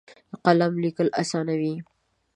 قلم لیکل اسانوي.